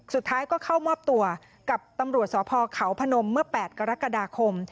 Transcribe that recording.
สุดท้ายก็เข้ามอบตัวกับตำรวจสพเขาพนมเมื่อ๘กรกฎาคม